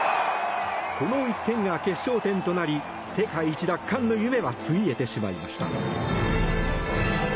この１点が決勝点となり世界一奪還の夢はついえてしまいました。